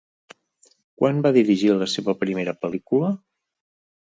Quan va dirigir la seva primera pel·lícula?